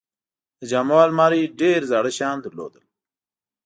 د جامو الماری ډېرې زاړه شیان لرل.